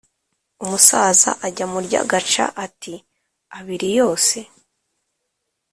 umusaza ajya mu ry’agaca ati"abiri yoseee